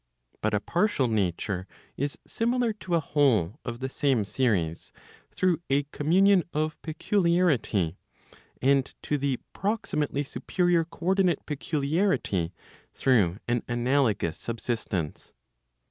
But a partial nature is similar to a whole of the same series, through a communion of peculiarity, and to the proximately superior co ordinate peculiarity through an analogous subsistence.